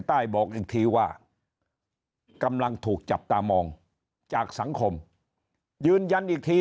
ใต้บอกอีกทีว่ากำลังถูกจับตามองจากสังคมยืนยันอีกที